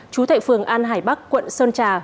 chú thệ phường an hải bắc quận sơn trà